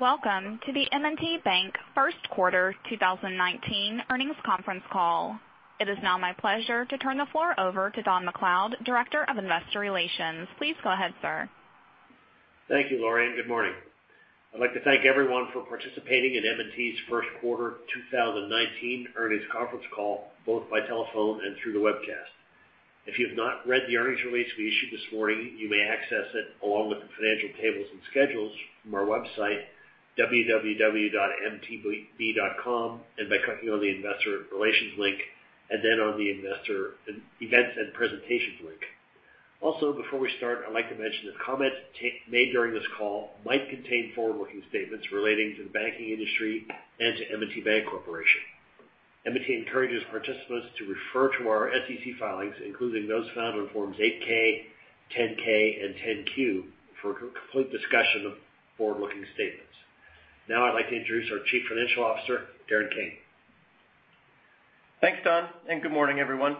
Welcome to the M&T Bank first quarter 2019 earnings conference call. It is now my pleasure to turn the floor over to Don MacLeod, Director of Investor Relations. Please go ahead, sir. Thank you, Laurie, and good morning. I'd like to thank everyone for participating in M&T's first quarter 2019 earnings conference call, both by telephone and through the webcast. If you have not read the earnings release we issued this morning, you may access it along with the financial tables and schedules from our website, www.mtb.com, by clicking on the investor relations link and on the investor events and presentations link. Before we start, I'd like to mention that comments made during this call might contain forward-looking statements relating to the banking industry and to M&T Bank Corporation. M&T encourages participants to refer to our SEC filings, including those found on Forms 8-K, 10-K, and 10-Q, for a complete discussion of forward-looking statements. I'd like to introduce our Chief Financial Officer, Darren King. Thanks, Don, and good morning, everyone.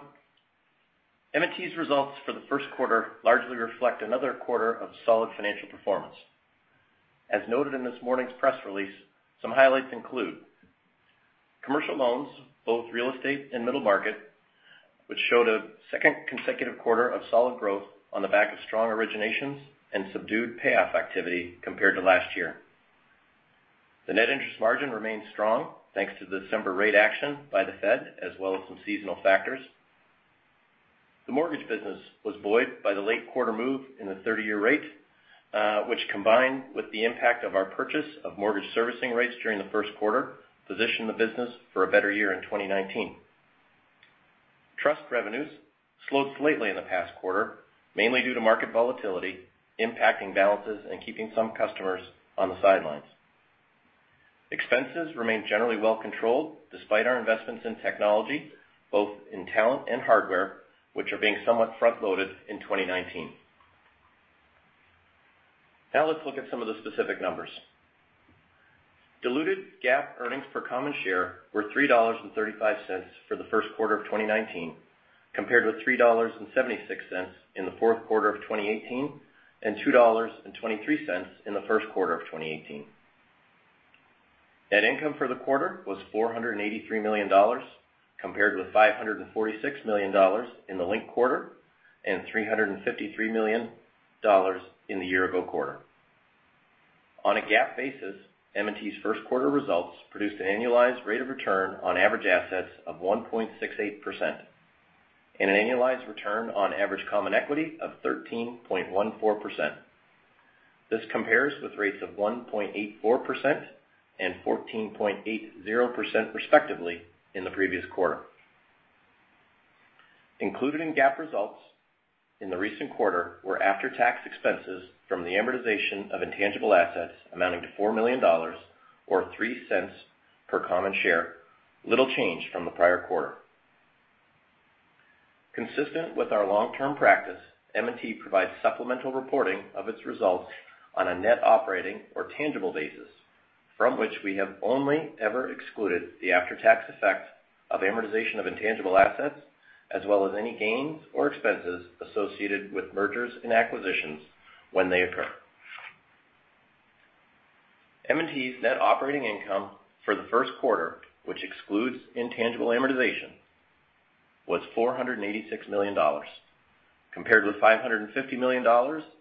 M&T's results for the first quarter largely reflect another quarter of solid financial performance. As noted in this morning's press release, some highlights include commercial loans, both real estate and middle market, which showed a second consecutive quarter of solid growth on the back of strong originations and subdued payoff activity compared to last year. The net interest margin remains strong, thanks to the December rate action by the Fed as well as some seasonal factors. The mortgage business was buoyed by the late quarter move in the 30-year rate, which combined with the impact of our purchase of mortgage servicing rights during the first quarter, positioned the business for a better year in 2019. Trust revenues slowed slightly in the past quarter, mainly due to market volatility impacting balances and keeping some customers on the sidelines. Expenses remain generally well controlled despite our investments in technology, both in talent and hardware, which are being somewhat front-loaded in 2019. Let's look at some of the specific numbers. Diluted GAAP earnings per common share were $3.35 for the first quarter of 2019, compared with $3.76 in the fourth quarter of 2018 and $2.23 in the first quarter of 2018. Net income for the quarter was $483 million, compared with $546 million in the linked quarter and $353 million in the year-ago quarter. On a GAAP basis, M&T's first quarter results produced an annualized rate of return on average assets of 1.68% and an annualized return on average common equity of 13.14%. This compares with rates of 1.84% and 14.80% respectively in the previous quarter. Included in GAAP results in the recent quarter were after-tax expenses from the amortization of intangible assets amounting to $4 million, or $0.03 per common share, little change from the prior quarter. Consistent with our long-term practice, M&T provides supplemental reporting of its results on a net operating or tangible basis, from which we have only ever excluded the after-tax effect of amortization of intangible assets, as well as any gains or expenses associated with mergers and acquisitions when they occur. M&T's net operating income for the first quarter, which excludes intangible amortization, was $486 million, compared with $550 million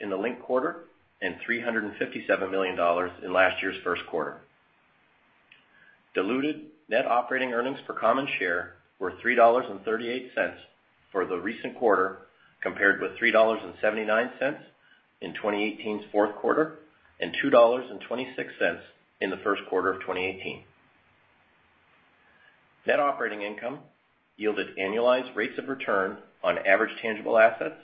in the linked quarter and $357 million in last year's first quarter. Diluted net operating earnings per common share were $3.38 for the recent quarter, compared with $3.79 in 2018's fourth quarter and $2.26 in the first quarter of 2018. Net operating income yielded annualized rates of return on average tangible assets,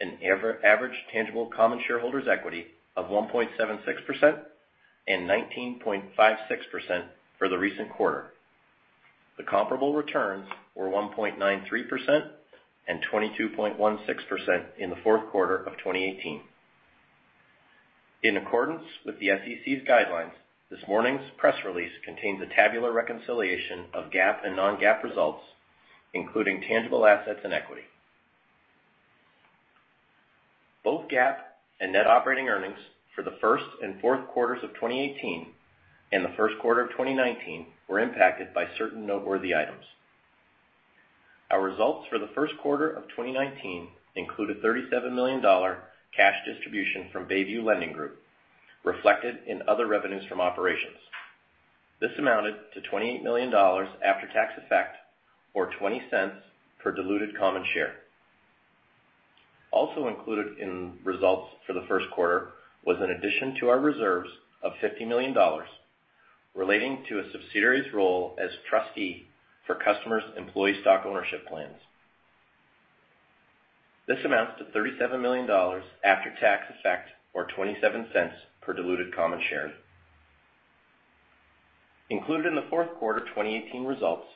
an average tangible common shareholders equity of 1.76% and 19.56% for the recent quarter. The comparable returns were 1.93% and 22.16% in the fourth quarter of 2018. In accordance with the SEC's guidelines, this morning's press release contains a tabular reconciliation of GAAP and non-GAAP results, including tangible assets and equity. Both GAAP and net operating earnings for the first and fourth quarters of 2018 and the first quarter of 2019 were impacted by certain noteworthy items. Our results for the first quarter of 2019 include a $37 million cash distribution from Bayview Lending Group reflected in other revenues from operations. This amounted to $28 million after-tax effect or $0.20 per diluted common share. Also included in results for the first quarter was an addition to our reserves of $50 million relating to a subsidiary's role as trustee for customers' employee stock ownership plans. This amounts to $37 million after-tax effect or $0.27 per diluted common share. Included in the fourth quarter 2018 results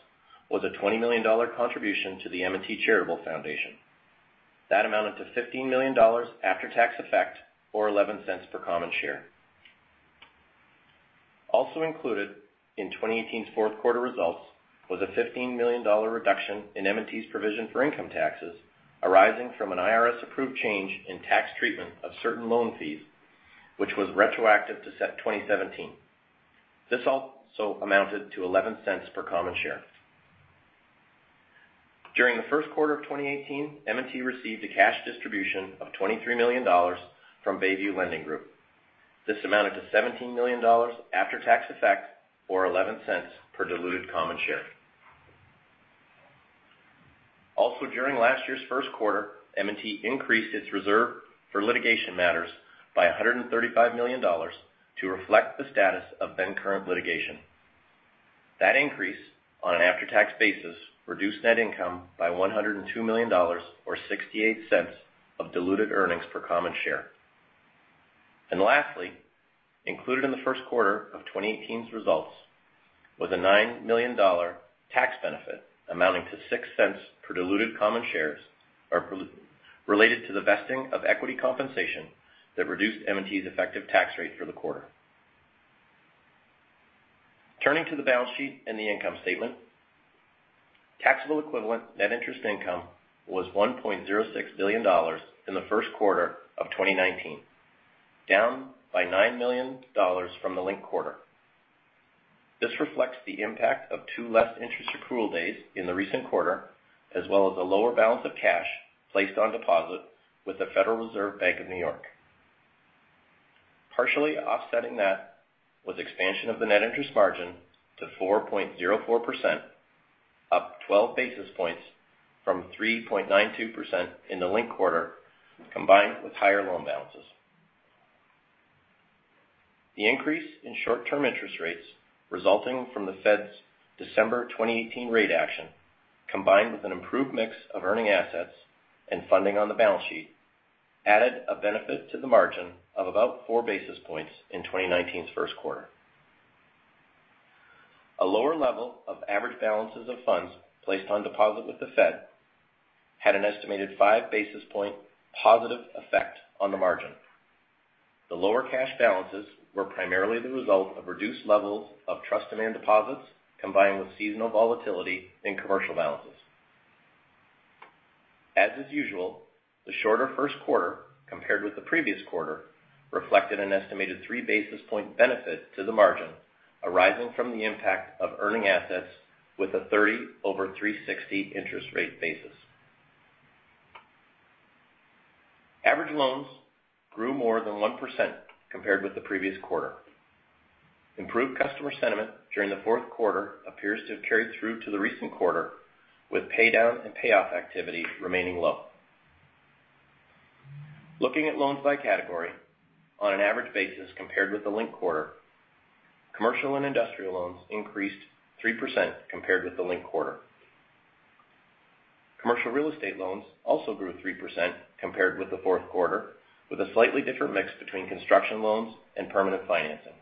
was a $20 million contribution to the M&T Charitable Foundation. That amounted to $15 million after-tax effect or $0.11 per common share. Also included in 2018's fourth quarter results was a $15 million reduction in M&T's provision for income taxes arising from an IRS-approved change in tax treatment of certain loan fees, which was retroactive to set 2017. This also amounted to $0.11 per common share. During the first quarter of 2018, M&T received a cash distribution of $23 million from Bayview Lending Group. This amounted to $17 million after-tax effect, or $0.11 per diluted common share. During last year's first quarter, M&T increased its reserve for litigation matters by $135 million to reflect the status of then-current litigation. That increase on an after-tax basis reduced net income by $102 million, or $0.68 of diluted earnings per common share. Lastly, included in the first quarter of 2018's results was a $9 million tax benefit amounting to $0.06 per diluted common shares, related to the vesting of equity compensation that reduced M&T's effective tax rate for the quarter. Turning to the balance sheet and the income statement. Taxable equivalent net interest income was $1.06 billion in the first quarter of 2019, down by $9 million from the linked quarter. This reflects the impact of two less interest accrual days in the recent quarter, as well as a lower balance of cash placed on deposit with the Federal Reserve Bank of New York. Partially offsetting that was expansion of the net interest margin to 4.04%, up 12 basis points from 3.92% in the linked quarter, combined with higher loan balances. The increase in short-term interest rates resulting from the Fed's December 2018 rate action, combined with an improved mix of earning assets and funding on the balance sheet, added a benefit to the margin of about four basis points in 2019's first quarter. A lower level of average balances of funds placed on deposit with the Fed had an estimated five basis point positive effect on the margin. The lower cash balances were primarily the result of reduced levels of trust demand deposits, combined with seasonal volatility in commercial balances. As is usual, the shorter first quarter compared with the previous quarter reflected an estimated three basis point benefit to the margin arising from the impact of earning assets with a 30 over 360 interest rate basis. Average loans grew more than 1% compared with the previous quarter. Improved customer sentiment during the fourth quarter appears to have carried through to the recent quarter, with paydown and payoff activity remaining low. Looking at loans by category on an average basis compared with the linked quarter, commercial and industrial loans increased 3% compared with the linked quarter. Commercial real estate loans also grew 3% compared with the fourth quarter, with a slightly different mix between construction loans and permanent financing.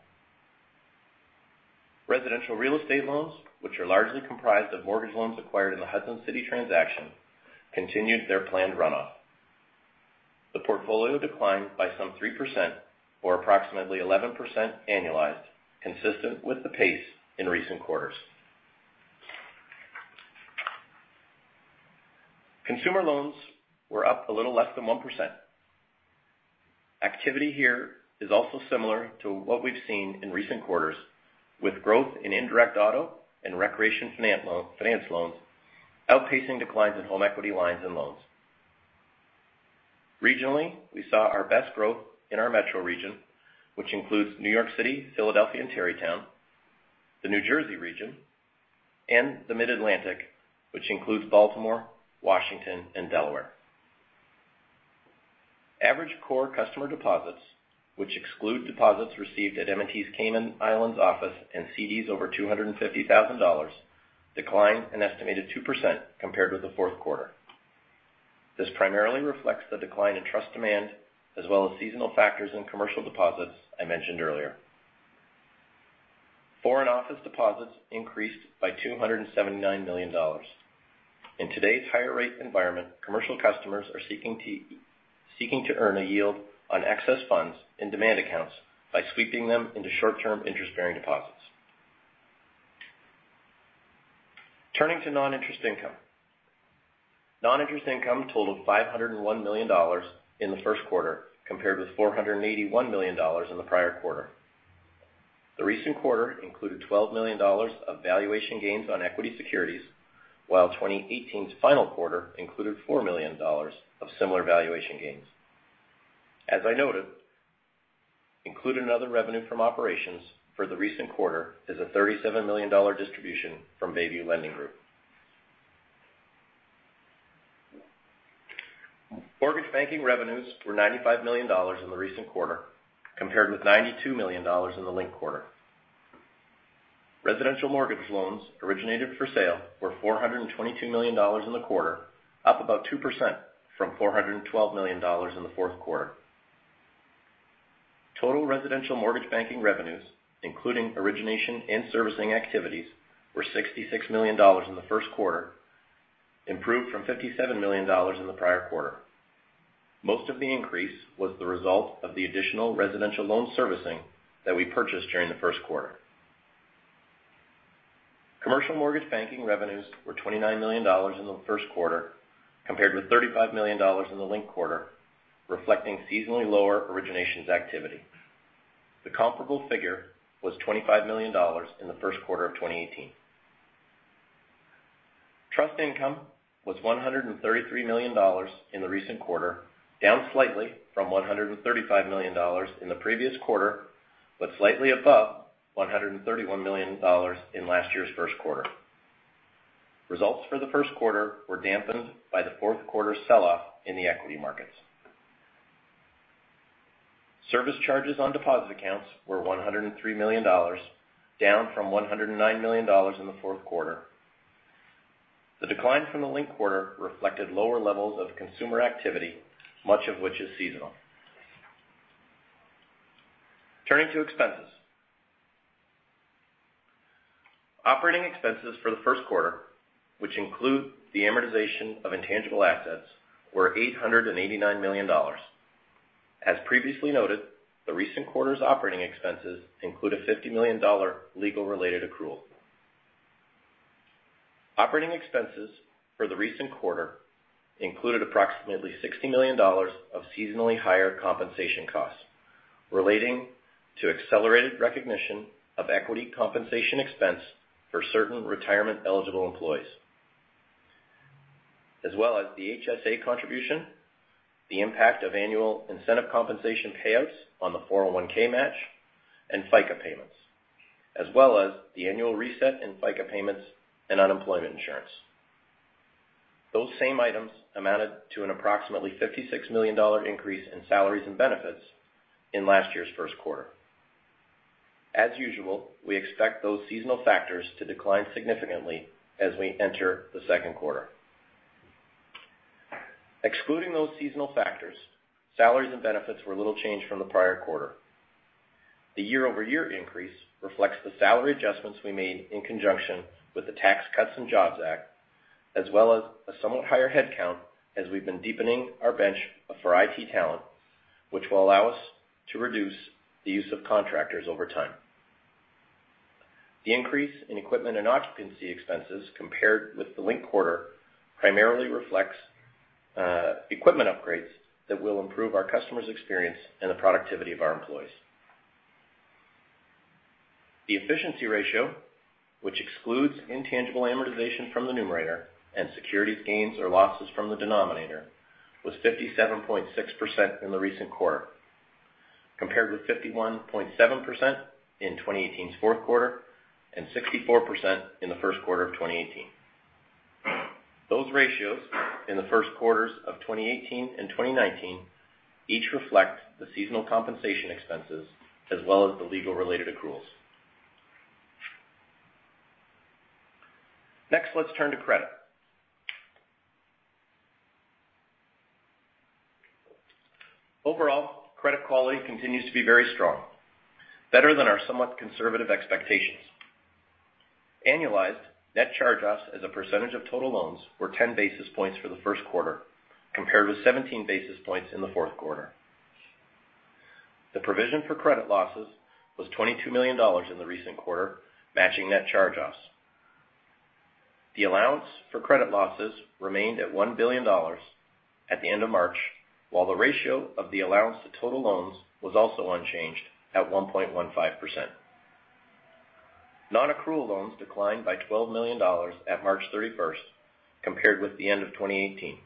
Residential real estate loans, which are largely comprised of mortgage loans acquired in the Hudson City transaction, continued their planned runoff. The portfolio declined by some 3%, or approximately 11% annualized, consistent with the pace in recent quarters. Consumer loans were up a little less than 1%. Activity here is also similar to what we've seen in recent quarters, with growth in indirect auto and recreation finance loans outpacing declines in home equity lines and loans. Regionally, we saw our best growth in our metro region, which includes New York City, Philadelphia, and Tarrytown, the New Jersey region, and the Mid-Atlantic, which includes Baltimore, Washington, and Delaware. Average core customer deposits, which exclude deposits received at M&T's Cayman Islands office and CDs over $250,000, declined an estimated 2% compared with the fourth quarter. This primarily reflects the decline in trust demand as well as seasonal factors in commercial deposits I mentioned earlier. Foreign office deposits increased by $279 million. In today's higher rate environment, commercial customers are seeking to earn a yield on excess funds in demand accounts by sweeping them into short-term interest-bearing deposits. Turning to non-interest income. Non-interest income totaled $501 million in the first quarter, compared with $481 million in the prior quarter. The recent quarter included $12 million of valuation gains on equity securities, while 2018's final quarter included $4 million of similar valuation gains. As I noted, included in other revenue from operations for the recent quarter is a $37 million distribution from Bayview Lending Group. Mortgage banking revenues were $95 million in the recent quarter, compared with $92 million in the linked quarter. Residential mortgage loans originated for sale were $422 million in the quarter, up about 2% from $412 million in the fourth quarter. Total residential mortgage banking revenues, including origination and servicing activities, were $66 million in the first quarter, improved from $57 million in the prior quarter. Most of the increase was the result of the additional residential loan servicing that we purchased during the first quarter. Commercial mortgage banking revenues were $29 million in the first quarter, compared with $35 million in the linked quarter, reflecting seasonally lower originations activity. The comparable figure was $25 million in the first quarter of 2018. Trust income was $133 million in the recent quarter, down slightly from $135 million in the previous quarter, but slightly above $131 million in last year's first quarter. Results for the first quarter were dampened by the fourth quarter sell-off in the equity markets. Service charges on deposit accounts were $103 million, down from $109 million in the fourth quarter. The decline from the linked quarter reflected lower levels of consumer activity, much of which is seasonal. Turning to expenses. Operating expenses for the first quarter, which include the amortization of intangible assets, were $889 million. As previously noted, the recent quarter's operating expenses include a $50 million legal related accrual. Operating expenses for the recent quarter included approximately $60 million of seasonally higher compensation costs relating to accelerated recognition of equity compensation expense for certain retirement-eligible employees, as well as the HSA contribution, the impact of annual incentive compensation payouts on the 401 match, and FICA payments, as well as the annual reset in FICA payments and unemployment insurance. Those same items amounted to an approximately $56 million increase in salaries and benefits in last year's first quarter. As usual, we expect those seasonal factors to decline significantly as we enter the second quarter. Excluding those seasonal factors, salaries and benefits were little changed from the prior quarter. The year-over-year increase reflects the salary adjustments we made in conjunction with the Tax Cuts and Jobs Act, as well as a somewhat higher headcount as we've been deepening our bench for IT talent, which will allow us to reduce the use of contractors over time. The increase in equipment and occupancy expenses compared with the linked quarter primarily reflects equipment upgrades that will improve our customers' experience and the productivity of our employees. The efficiency ratio, which excludes intangible amortization from the numerator and securities gains or losses from the denominator, was 57.6% in the recent quarter, compared with 51.7% in 2018's fourth quarter and 64% in the first quarter of 2018. Those ratios in the first quarters of 2018 and 2019 each reflect the seasonal compensation expenses as well as the legal related accruals. Next, let's turn to credit. Overall, credit quality continues to be very strong, better than our somewhat conservative expectations. Annualized net charge-offs as a percentage of total loans were 10 basis points for the first quarter, compared with 17 basis points in the fourth quarter. The provision for credit losses was $22 million in the recent quarter, matching net charge-offs. The allowance for credit losses remained at $1 billion at the end of March, while the ratio of the allowance to total loans was also unchanged at 1.15%. Non-accrual loans declined by $12 million at March 31st, compared with the end of 2018.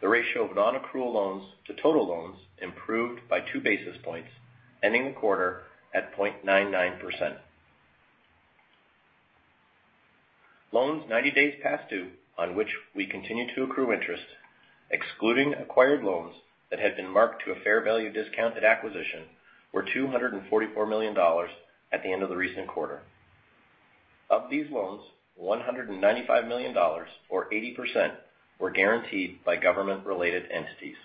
The ratio of non-accrual loans to total loans improved by two basis points, ending the quarter at 0.99%. Loans 90 days past due, on which we continue to accrue interest, excluding acquired loans that had been marked to a fair value discount at acquisition, were $244 million at the end of the recent quarter. Of these loans, $195 million or 80% were guaranteed by government-related entities.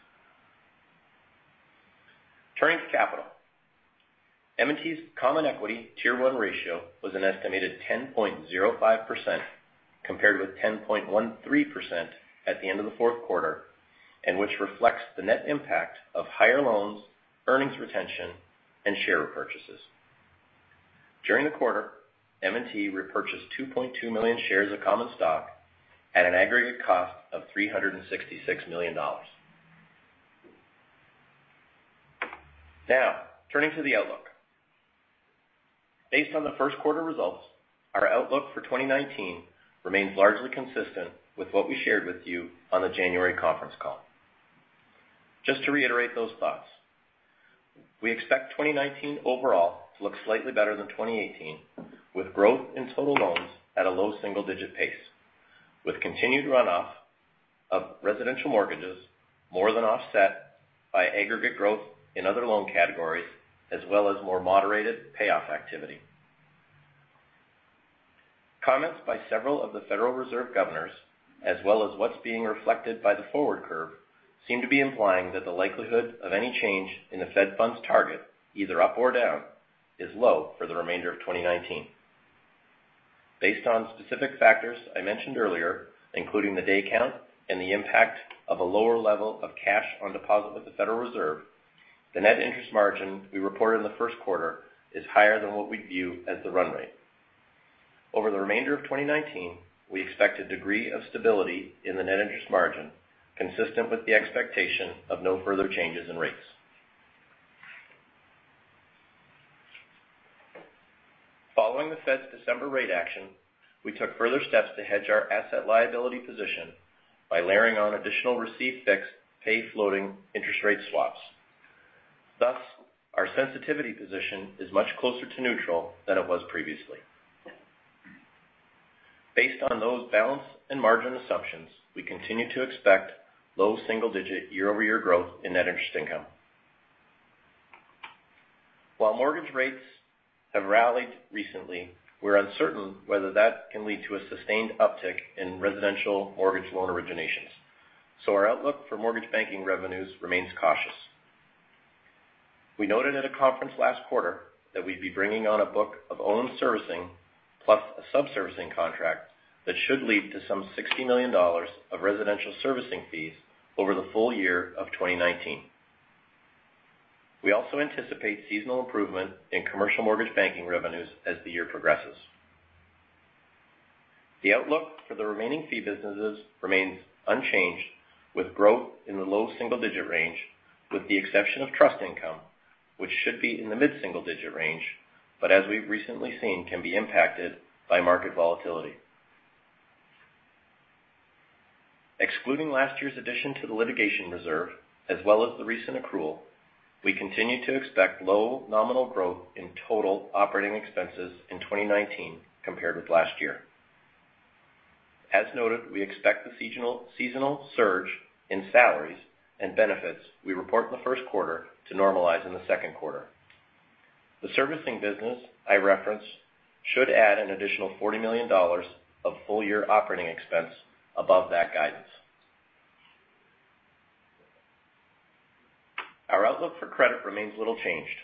Turning to capital. M&T's common equity Tier 1 ratio was an estimated 10.05%, compared with 10.13% at the end of the fourth quarter, which reflects the net impact of higher loans, earnings retention, and share repurchases. During the quarter, M&T repurchased 2.2 million shares of common stock at an aggregate cost of $366 million. Turning to the outlook. Based on the first quarter results, our outlook for 2019 remains largely consistent with what we shared with you on the January conference call. Just to reiterate those thoughts, we expect 2019 overall to look slightly better than 2018, with growth in total loans at a low single-digit pace, with continued runoff of residential mortgages more than offset by aggregate growth in other loan categories, as well as more moderated payoff activity. Comments by several of the Federal Reserve governors, as well as what's being reflected by the forward curve, seem to be implying that the likelihood of any change in the Fed funds target, either up or down is low for the remainder of 2019. Based on specific factors I mentioned earlier, including the day count and the impact of a lower level of cash on deposit with the Federal Reserve, the net interest margin we reported in the first quarter is higher than what we view as the run rate. Over the remainder of 2019, we expect a degree of stability in the net interest margin, consistent with the expectation of no further changes in rates. Following the Fed's December rate action, we took further steps to hedge our asset liability position by layering on additional receive fixed, pay floating interest rate swaps. Thus, our sensitivity position is much closer to neutral than it was previously. Based on those balance and margin assumptions, we continue to expect low single-digit year-over-year growth in net interest income. While mortgage rates have rallied recently, we're uncertain whether that can lead to a sustained uptick in residential mortgage loan originations. Our outlook for mortgage banking revenues remains cautious. We noted at a conference last quarter that we'd be bringing on a book of owned servicing, plus a sub-servicing contract that should lead to some $60 million of residential servicing fees over the full year of 2019. We also anticipate seasonal improvement in commercial mortgage banking revenues as the year progresses. The outlook for the remaining fee businesses remains unchanged, with growth in the low single-digit range, with the exception of trust income, which should be in the mid-single digit range, but as we've recently seen, can be impacted by market volatility. Excluding last year's addition to the litigation reserve, as well as the recent accrual, we continue to expect low nominal growth in total operating expenses in 2019 compared with last year. As noted, we expect the seasonal surge in salaries and benefits we report in the first quarter to normalize in the second quarter. The servicing business I referenced should add an additional $40 million of full-year operating expense above that guidance. Our outlook for credit remains little changed.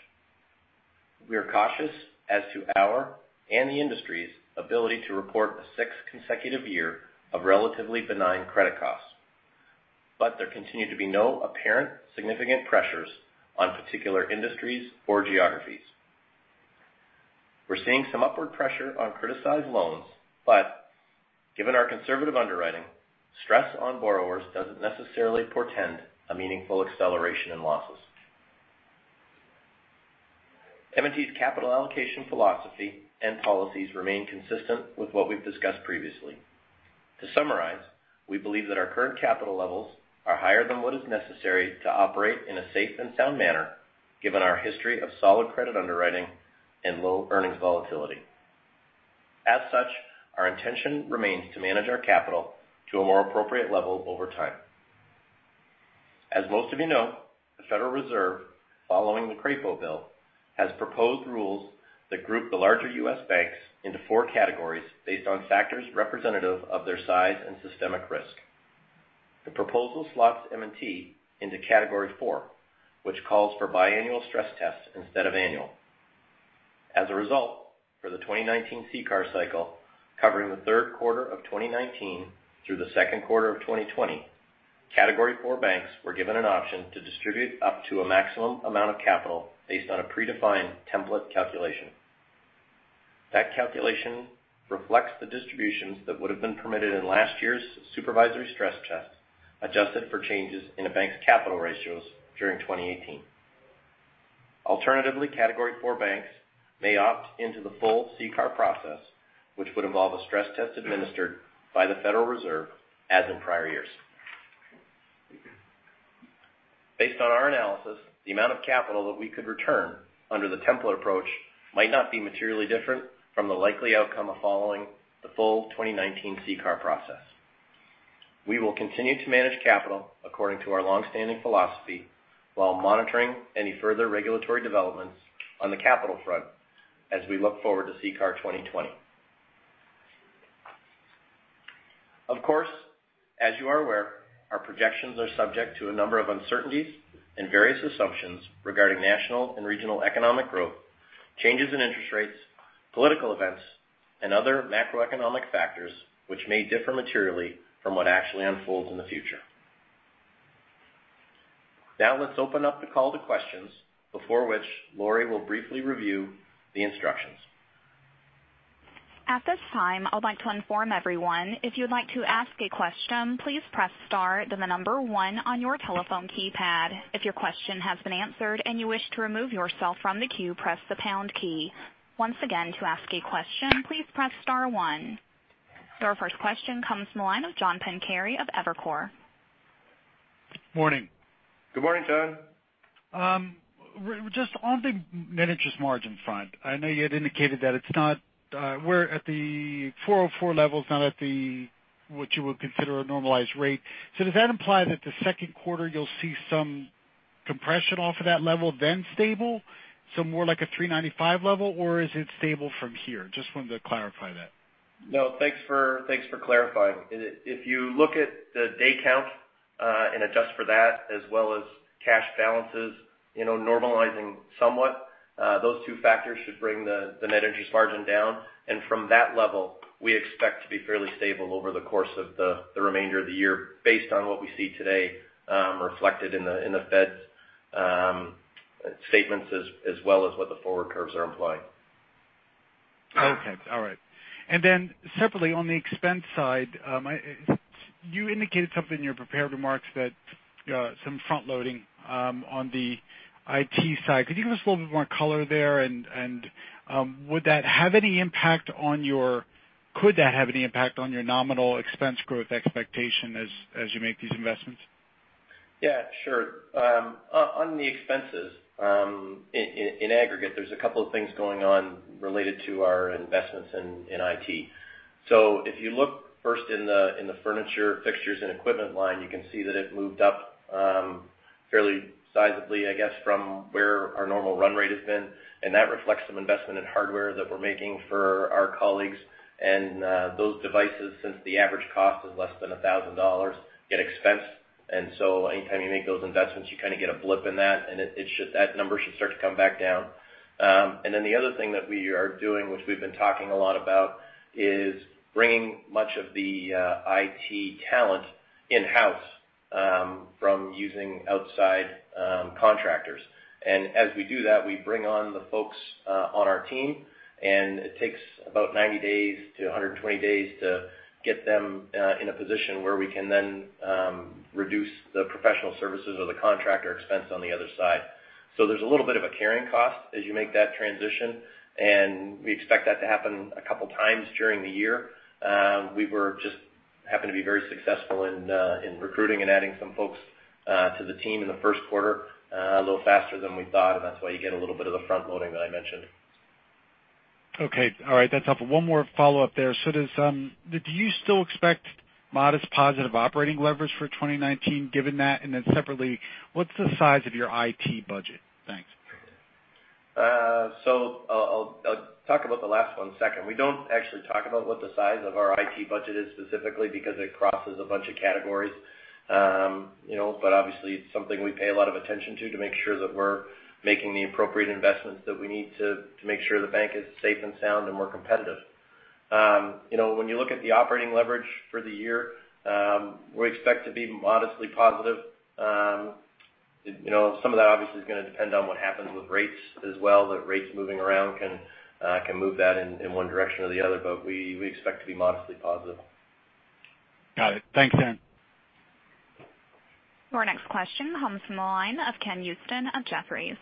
We are cautious as to our and the industry's ability to report a sixth consecutive year of relatively benign credit costs. There continue to be no apparent significant pressures on particular industries or geographies. We're seeing some upward pressure on criticized loans, but given our conservative underwriting, stress on borrowers doesn't necessarily portend a meaningful acceleration in losses. M&T's capital allocation philosophy and policies remain consistent with what we've discussed previously. To summarize, we believe that our current capital levels are higher than what is necessary to operate in a safe and sound manner, given our history of solid credit underwriting and low earnings volatility. As such, our intention remains to manage our capital to a more appropriate level over time. As most of you know, the Federal Reserve, following the Crapo bill, has proposed rules that group the larger U.S. banks into four categories based on factors representative of their size and systemic risk. The proposal slots M&T into Category 4, which calls for biannual stress tests instead of annual. As a result, for the 2019 CCAR cycle, covering the third quarter of 2019 through the second quarter of 2020, Category 4 banks were given an option to distribute up to a maximum amount of capital based on a predefined template calculation. That calculation reflects the distributions that would have been permitted in last year's supervisory stress tests, adjusted for changes in a bank's capital ratios during 2018. Alternatively, Category 4 banks may opt into the full CCAR process, which would involve a stress test administered by the Federal Reserve as in prior years. Based on our analysis, the amount of capital that we could return under the template approach might not be materially different from the likely outcome of following the full 2019 CCAR process. We will continue to manage capital according to our longstanding philosophy while monitoring any further regulatory developments on the capital front as we look forward to CCAR 2020. Of course, as you are aware, our projections are subject to a number of uncertainties and various assumptions regarding national and regional economic growth, changes in interest rates, political events, and other macroeconomic factors which may differ materially from what actually unfolds in the future. Now let's open up the call to questions, before which Laurie will briefly review the instructions. At this time, I'd like to inform everyone, if you'd like to ask a question, please press star, then the number one on your telephone keypad. If your question has been answered and you wish to remove yourself from the queue, press the pound key. Once again, to ask a question, please press star one. Your first question comes from the line of John Pancari of Evercore. Morning. Good morning, John. Just on the net interest margin front, I know you had indicated that we're at the 404 levels, not at what you would consider a normalized rate. Does that imply that the second quarter you'll see some compression off of that level, then stable? More like a 395 level, or is it stable from here? Just wanted to clarify that. No, thanks for clarifying. If you look at the day count and adjust for that as well as cash balances normalizing somewhat. Those two factors should bring the net interest margin down. From that level, we expect to be fairly stable over the course of the remainder of the year based on what we see today reflected in the Fed's statements, as well as what the forward curves are implying. Okay. All right. Then separately, on the expense side, you indicated something in your prepared remarks that some front-loading on the IT side. Could you give us a little bit more color there? Would that have any impact could that have any impact on your nominal expense growth expectation as you make these investments? Yeah, sure. On the expenses, in aggregate, there's a couple of things going on related to our investments in IT. If you look first in the furniture, fixtures, and equipment line, you can see that it moved up fairly sizably, I guess, from where our normal run rate has been. That reflects some investment in hardware that we're making for our colleagues. Those devices, since the average cost is less than $1,000, get expensed. Anytime you make those investments, you kind of get a blip in that, and that number should start to come back down. The other thing that we are doing, which we've been talking a lot about, is bringing much of the IT talent in-house from using outside contractors. As we do that, we bring on the folks on our team, and it takes about 90 days to 120 days to get them in a position where we can then reduce the professional services or the contractor expense on the other side. There's a little bit of a carrying cost as you make that transition, and we expect that to happen a couple times during the year. We just happened to be very successful in recruiting and adding some folks to the team in the first quarter a little faster than we thought, and that's why you get a little bit of the front-loading that I mentioned. Okay. All right. That's helpful. One more follow-up there. Do you still expect modest positive operating leverage for 2019, given that? Separately, what's the size of your IT budget? Thanks. I'll talk about the last one second. We don't actually talk about what the size of our IT budget is specifically because it crosses a bunch of categories. Obviously, it's something we pay a lot of attention to to make sure that we're making the appropriate investments that we need to make sure the bank is safe and sound and we're competitive. When you look at the operating leverage for the year, we expect to be modestly positive. Some of that obviously is going to depend on what happens with rates as well, but rates moving around can move that in one direction or the other. We expect to be modestly positive. Got it. Thanks, Darren. Your next question comes from the line of Ken Usdin of Jefferies.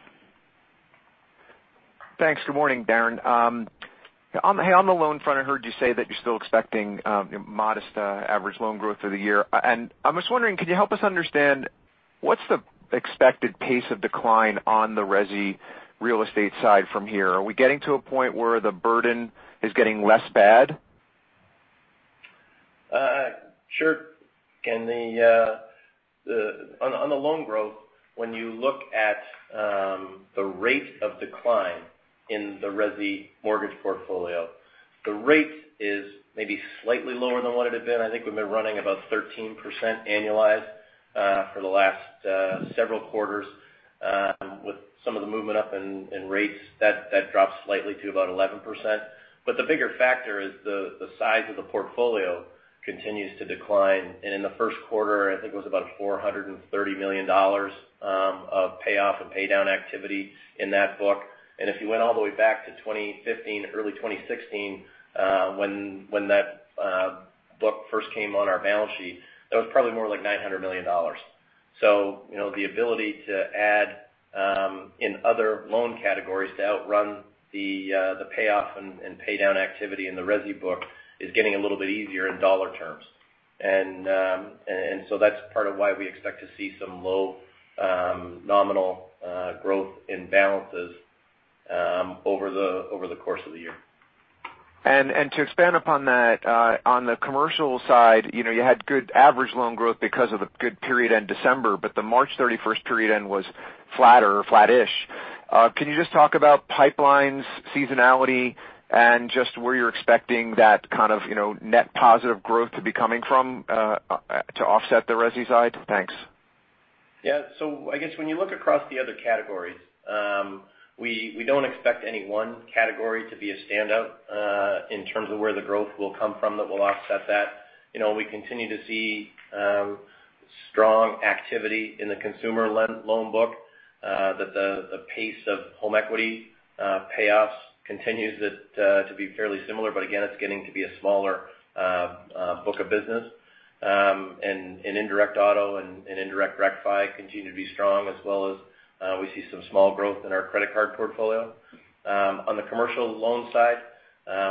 Thanks. Good morning, Darren. Hey, on the loan front, I heard you say that you're still expecting modest average loan growth through the year. I'm just wondering, can you help us understand what's the expected pace of decline on the resi real estate side from here? Are we getting to a point where the burden is getting less bad? Sure. On the loan growth, when you look at the rate of decline in the resi mortgage portfolio, the rate is maybe slightly lower than what it had been. I think we've been running about 13% annualized for the last several quarters. With some of the movement up in rates, that dropped slightly to about 11%. The bigger factor is the size of the portfolio continues to decline. In the first quarter, I think it was about $430 million of payoff and paydown activity in that book. If you went all the way back to 2015, early 2016, when that book first came on our balance sheet, that was probably more like $900 million. The ability to add in other loan categories to outrun the payoff and paydown activity in the resi book is getting a little bit easier in dollar terms. That's part of why we expect to see some low nominal growth in balances over the course of the year. To expand upon that, on the commercial side, you had good average loan growth because of the good period end December, but the March 31st period end was flatter or flat-ish. Can you just talk about pipelines, seasonality, and just where you're expecting that kind of net positive growth to be coming from to offset the resi side? Thanks. I guess when you look across the other categories, we don't expect any one category to be a standout in terms of where the growth will come from that will offset that. We continue to see strong activity in the consumer lend loan book, that the pace of home equity payoffs continues to be fairly similar, but again, it's getting to be a smaller book of business. Indirect auto and indirect rec fi continue to be strong as well as we see some small growth in our credit card portfolio. On the commercial loan side,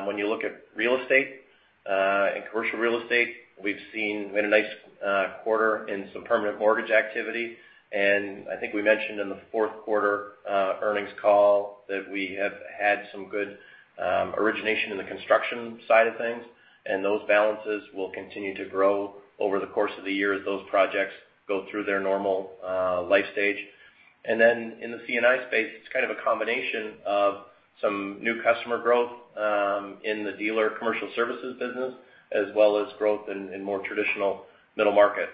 when you look at real estate and commercial real estate, we've had a nice quarter in some permanent mortgage activity. I think we mentioned in the fourth quarter earnings call that we have had some good origination in the construction side of things, and those balances will continue to grow over the course of the year as those projects go through their normal life stage. Then in the C&I space, it's kind of a combination of some new customer growth in the dealer commercial services business, as well as growth in more traditional middle market,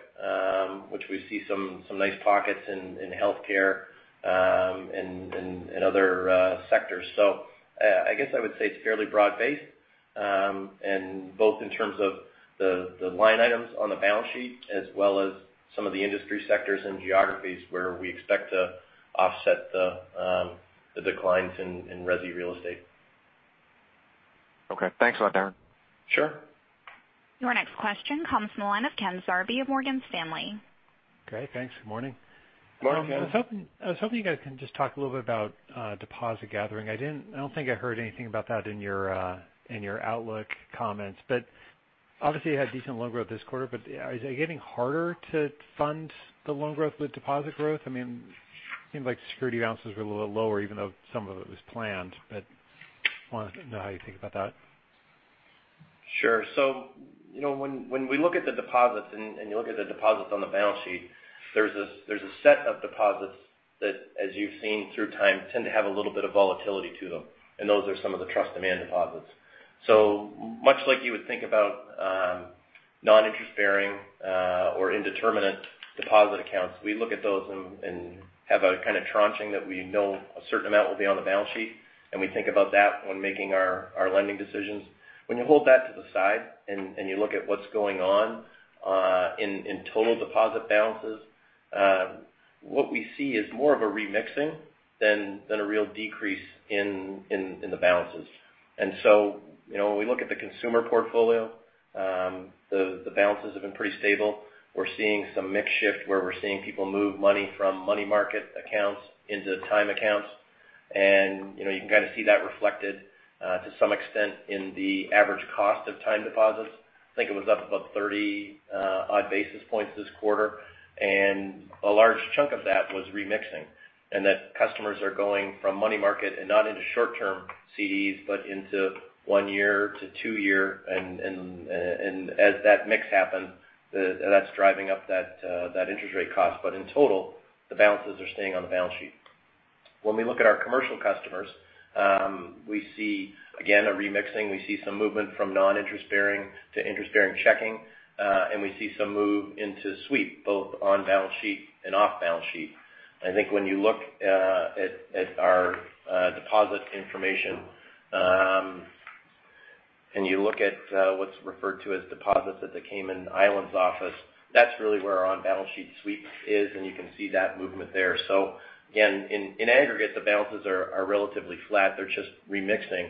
which we see some nice pockets in healthcare and other sectors. I guess I would say it's fairly broad-based, both in terms of the line items on the balance sheet as well as some of the industry sectors and geographies where we expect to offset the declines in resi real estate. Okay. Thanks a lot, Darren. Sure. Your next question comes from the line of Ken Zerbe of Morgan Stanley. Great, thanks. Good morning. Good morning, Ken. I was hoping you guys can just talk a little bit about deposit gathering. I don't think I heard anything about that in your outlook comments, but obviously you had decent loan growth this quarter, but is it getting harder to fund the loan growth with deposit growth? It seems like security balances were a little lower, even though some of it was planned, but wanted to know how you think about that. Sure. When we look at the deposits and you look at the deposits on the balance sheet, there's a set of deposits that, as you've seen through time, tend to have a little bit of volatility to them, and those are some of the trust demand deposits. Much like you would think about non-interest bearing or indeterminate deposit accounts, we look at those and have a kind of tranching that we know a certain amount will be on the balance sheet, and we think about that when making our lending decisions. When you hold that to the side and you look at what's going on in total deposit balances, what we see is more of a remixing than a real decrease in the balances. When we look at the consumer portfolio, the balances have been pretty stable. We're seeing some mix shift where we're seeing people move money from money market accounts into time accounts. You can kind of see that reflected to some extent in the average cost of time deposits. I think it was up about 30-odd basis points this quarter, and a large chunk of that was remixing and that customers are going from money market and not into short term CDs, but into one year to two year. As that mix happened, that's driving up that interest rate cost. In total, the balances are staying on the balance sheet. When we look at our commercial customers, we see again, a remixing. We see some movement from non-interest bearing to interest-bearing checking. We see some move into sweep, both on balance sheet and off balance sheet. I think when you look at our deposit information, and you look at what's referred to as deposits at the Cayman Islands office, that's really where our on-balance sheet sweep is, and you can see that movement there. Again, in aggregate, the balances are relatively flat. They're just remixing.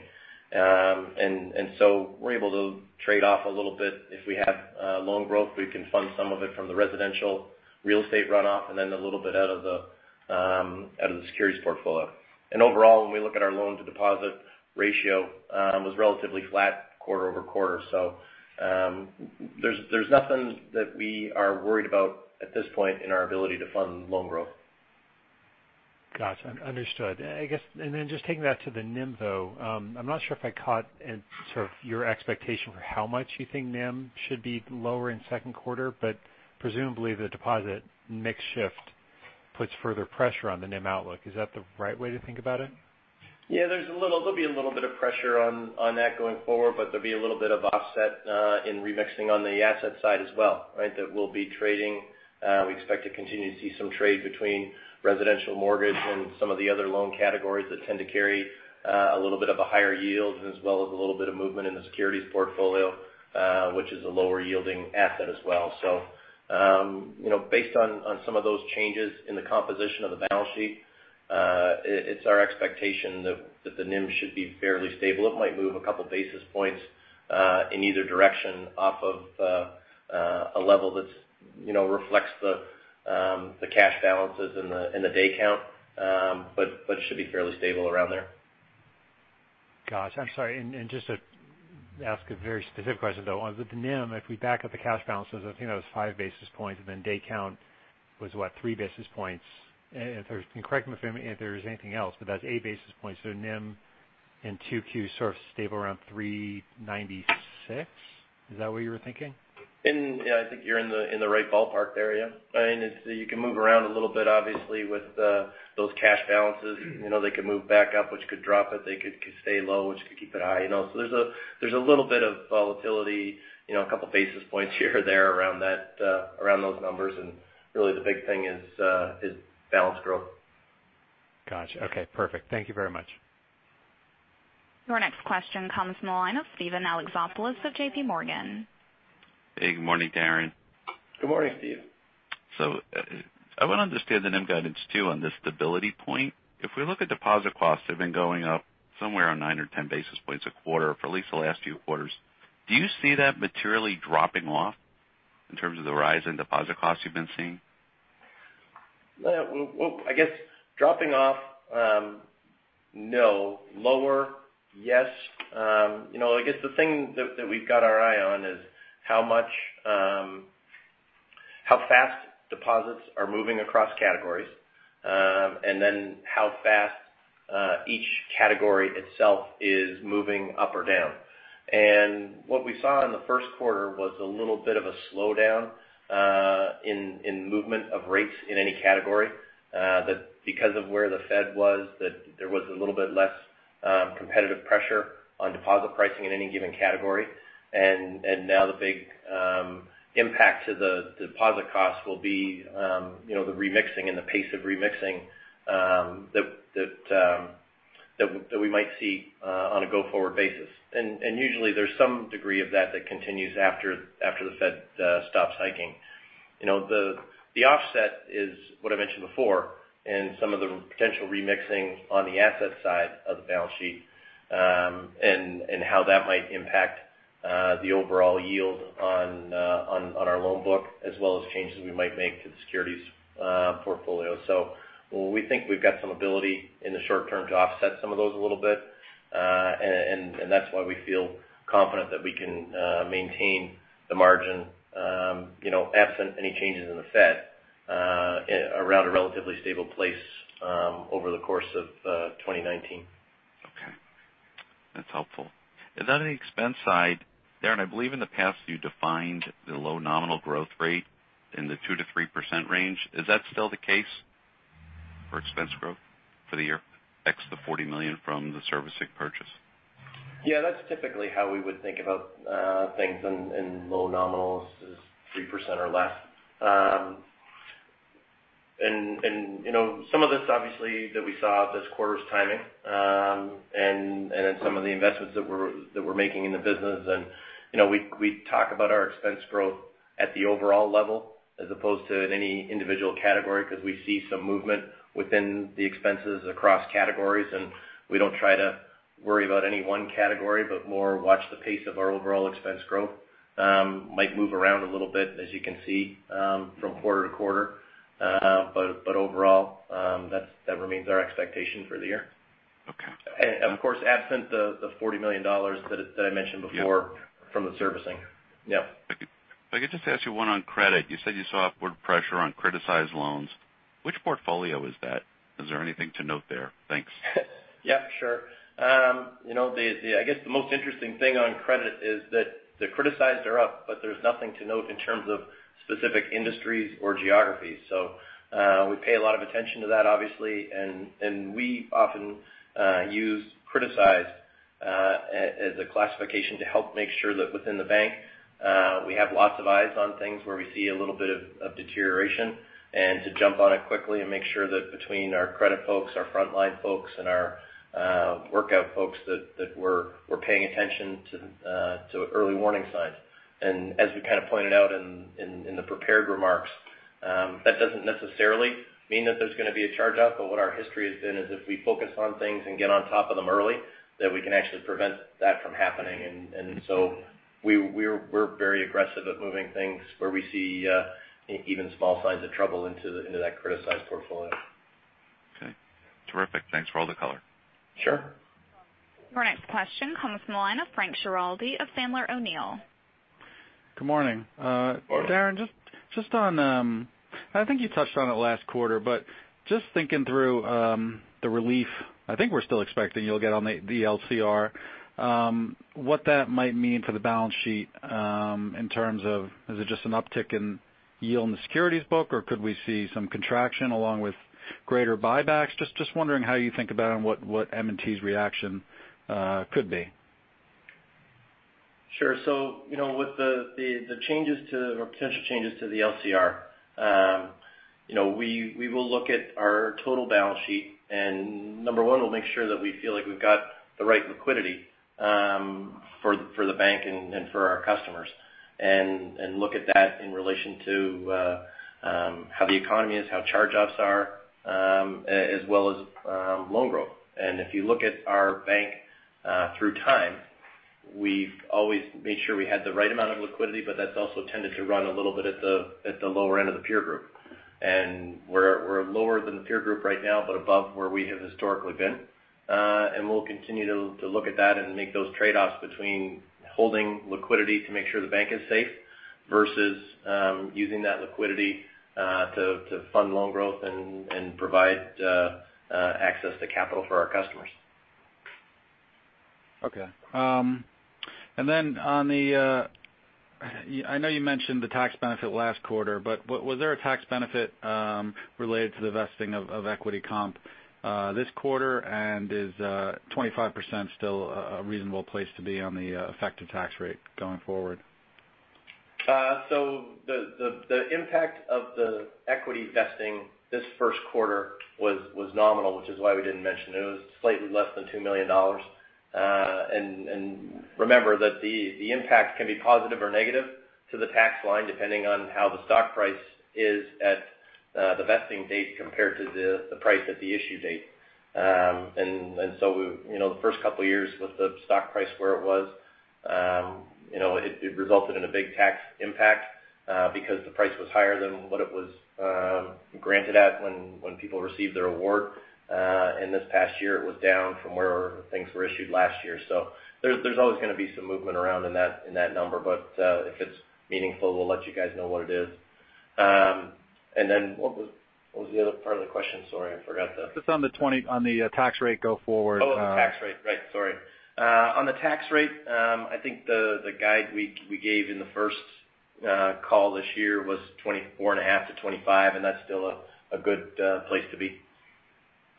We're able to trade off a little bit. If we have loan growth, we can fund some of it from the residential real estate runoff and then a little bit out of the securities portfolio. Overall, when we look at our loan-to-deposit ratio, it was relatively flat quarter-over-quarter. There's nothing that we are worried about at this point in our ability to fund loan growth. Gotcha. Understood. Just taking that to the NIM, though, I'm not sure if I caught sort of your expectation for how much you think NIM should be lower in second quarter. Presumably the deposit mix shift puts further pressure on the NIM outlook. Is that the right way to think about it? Yeah, there'll be a little bit of pressure on that going forward, there'll be a little bit of offset in remixing on the asset side as well. Right? That we'll be trading. We expect to continue to see some trade between residential mortgage and some of the other loan categories that tend to carry a little bit of a higher yield, as well as a little bit of movement in the securities portfolio, which is a lower yielding asset as well. Based on some of those changes in the composition of the balance sheet, it's our expectation that the NIM should be fairly stable. It might move a couple basis points in either direction off of a level that reflects the cash balances and the day count. It should be fairly stable around there. Gotcha. I'm sorry. Just to ask a very specific question, though, on the NIM, if we back out the cash balances, I think that was five basis points, day count was what, three basis points? Correct me if there's anything else, that's eight basis points. NIM in 2Q sort of stable around 396. Is that what you were thinking? Yeah, I think you're in the right ballpark there. Yeah. You can move around a little bit obviously with those cash balances. They could move back up, which could drop it. They could stay low, which could keep it high. There's a little bit of volatility, a couple basis points here or there around those numbers, really the big thing is balance growth. Gotcha. Okay, perfect. Thank you very much. Your next question comes from the line of Steven Alexopoulos of J.P. Morgan. Hey, good morning, Darren. Good morning, Steve. I want to understand the NIM guidance too, on the stability point. If we look at deposit costs, they've been going up somewhere around nine or 10 basis points a quarter for at least the last few quarters. Do you see that materially dropping off in terms of the rise in deposit costs you've been seeing? I guess dropping off, no. Lower, yes. I guess the thing that we've got our eye on is how fast deposits are moving across categories, and then how fast each category itself is moving up or down. And what we saw in the first quarter was a little bit of a slowdown in movement of rates in any category. Because of where the Fed was, there was a little bit less competitive pressure on deposit pricing in any given category. Now the big impact to the deposit cost will be the remixing and the pace of remixing that we might see on a go-forward basis. Usually there's some degree of that that continues after the Fed stops hiking. The offset is what I mentioned before and some of the potential remixing on the asset side of the balance sheet and how that might impact the overall yield on our loan book, as well as changes we might make to the securities portfolio. We think we've got some ability in the short term to offset some of those a little bit. That's why we feel confident that we can maintain the margin absent any changes in the Fed around a relatively stable place over the course of 2019. Okay. That's helpful. On the expense side, Darren, I believe in the past you defined the low nominal growth rate in the 2%-3% range. Is that still the case for expense growth for the year, ex the $40 million from the servicing purchase? Yeah, that's typically how we would think about things in low nominals is 3% or less. Some of this, obviously, that we saw this quarter is timing and in some of the investments that we're making in the business. We talk about our expense growth at the overall level as opposed to in any individual category, because we see some movement within the expenses across categories, and we don't try to worry about any one category, but more watch the pace of our overall expense growth. Might move around a little bit, as you can see from quarter to quarter. Overall, that remains our expectation for the year. Okay. Of course, absent the $40 million that I mentioned before from the servicing. Yeah. If I could just ask you one on credit. You said you saw upward pressure on criticized loans. Which portfolio is that? Is there anything to note there? Thanks. Yeah, sure. I guess the most interesting thing on credit is that the criticized are up, but there's nothing to note in terms of specific industries or geographies. We pay a lot of attention to that, obviously. We often use criticized as a classification to help make sure that within the bank we have lots of eyes on things where we see a little bit of deterioration and to jump on it quickly and make sure that between our credit folks, our frontline folks, and our workout folks, that we're paying attention to early warning signs. As we kind of pointed out in the prepared remarks, that doesn't necessarily mean that there's going to be a charge-off. What our history has been is if we focus on things and get on top of them early, that we can actually prevent that from happening. We're very aggressive at moving things where we see even small signs of trouble into that criticized portfolio. Okay. Terrific. Thanks for all the color. Sure. Our next question comes from the line of Frank Schiraldi of Sandler O'Neill. Good morning. Morning. Darren, I think you touched on it last quarter, but just thinking through the relief I think we're still expecting you'll get on the LCR. What that might mean for the balance sheet in terms of, is it just an uptick in yield in the securities book, or could we see some contraction along with greater buybacks? Just wondering how you think about and what M&T's reaction could be. Sure. With the potential changes to the LCR, we will look at our total balance sheet and number 1, we'll make sure that we feel like we've got the right liquidity for the bank and for our customers. Look at that in relation to how the economy is, how charge-offs are, as well as loan growth. If you look at our bank through time, we've always made sure we had the right amount of liquidity, but that's also tended to run a little bit at the lower end of the peer group. We're lower than the peer group right now, but above where we have historically been. We'll continue to look at that and make those trade-offs between holding liquidity to make sure the bank is safe versus using that liquidity to fund loan growth and provide access to capital for our customers. Okay. I know you mentioned the tax benefit last quarter, but was there a tax benefit related to the vesting of equity comp this quarter? Is 25% still a reasonable place to be on the effective tax rate going forward? The impact of the equity vesting this first quarter was nominal, which is why we didn't mention it. It was slightly less than $2 million. Remember that the impact can be positive or negative to the tax line depending on how the stock price is at the vesting date compared to the price at the issue date. The first couple of years with the stock price where it was, it resulted in a big tax impact because the price was higher than what it was granted at when people received their award. This past year it was down from where things were issued last year. There's always going to be some movement around in that number. If it's meaningful, we'll let you guys know what it is. What was the other part of the question? Sorry, I forgot. Just on the tax rate go forward. Tax rate. Right. Sorry. On the tax rate, I think the guide we gave in the first call this year was 24.5%-25%, that's still a good place to be.